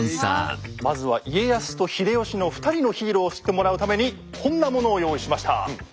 まずは家康と秀吉の２人のヒーローを知ってもらうためにこんなものを用意しました。